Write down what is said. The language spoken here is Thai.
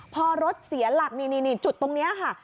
พอรถเสียหลักนี่จุดตรงนี้ค่ะ